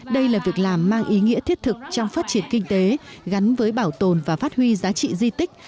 đây là việc làm mang ý nghĩa thiết thực trong phát triển kinh tế gắn với bảo tồn và phát huy giá trị di tích